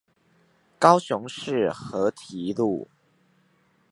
高雄市河堤路